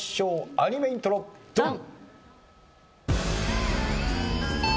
アニメイントロドン！